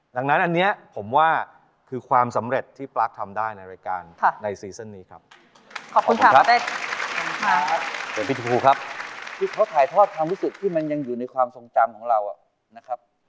ดังนั้นอันนี้ผมว่าคือความสำเร็จที่ปลั๊กทำได้ในรายการในซีซ่อนนี้ครับ